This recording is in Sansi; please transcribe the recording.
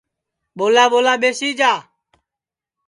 ٻولا ٻولا ٻیسی جا